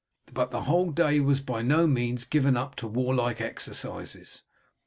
But the whole day was by no means given up to warlike exercises.